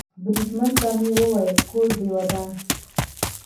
بریدمن ته مې وویل: کور دې ودان.